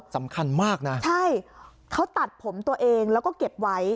สำคัญมากนะใช่เขาตัดผมตัวเองแล้วก็เก็บไว้